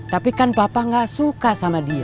tapi kan papa gak suka sama dia